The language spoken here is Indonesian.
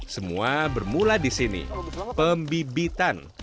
semua bermula di sini pembibitan